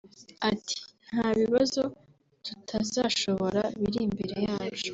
Ati Nta bibazo tutazashobora biri imbere yacu